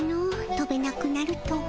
飛べなくなるとは。